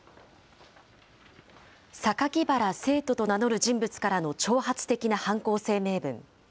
酒鬼薔薇聖斗と名乗る人物からの挑発的な犯行声明文。